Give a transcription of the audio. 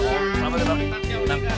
don mau motor ya don